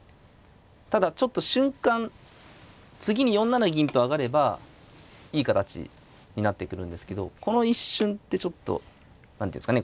ただちょっと瞬間次に４七銀と上がればいい形になってくるんですけどこの一瞬ってちょっと何ていうんですかね